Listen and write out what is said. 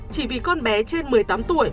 chỉ vì con bé trên một mươi tám tuổi